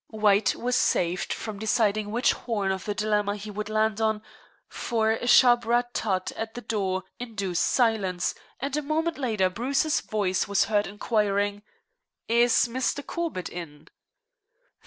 White was saved from deciding which horn of the dilemma he would land on, for a sharp rat tat at the door induced silence, and a moment later Bruce's voice was heard inquiring: "Is Mr. Corbett in?"